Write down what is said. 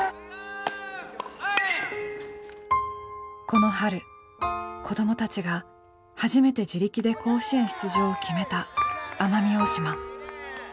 この春子どもたちが初めて自力で甲子園出場を決めた奄美大島。